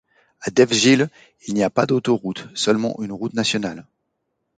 À Delfzijl, il n'y a pas d'autoroutes, seulement une route nationale.